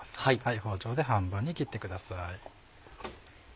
包丁で半分に切ってください。